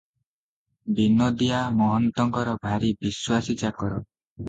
ବିନୋଦିଆ ମହନ୍ତଙ୍କର ଭାରି ବିଶ୍ୱାସୀ ଚାକର ।